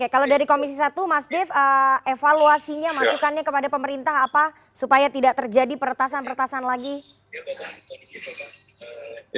kalau dari komisi satu mas dev evaluasinya masukannya kepada pemerintah apa supaya tidak terjadi peretasan peretasan lagi